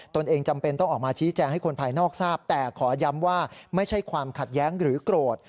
ตนเองจำเป็นต้องออกมาชี้แจงให้คนภายนอกทราบแต่ขอย้ำว่าไม่ใช่ความขัดแย้งหรือโกรธ